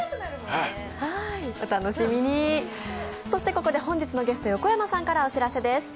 ここで本日のゲスト、横山さんからお知らせです。